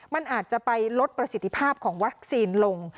มันอาจจะไปลดประสิทธิภาพของวัคซีนลง